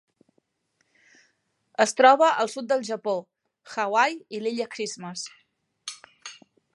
Es troba al sud del Japó, Hawaii i l'Illa Christmas.